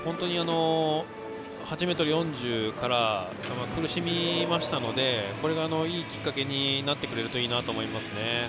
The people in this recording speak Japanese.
８ｍ４０から苦しみましたのでこれが、いいきっかけになってくれるといいと思います。